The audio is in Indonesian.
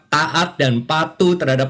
taat dan patuh terhadap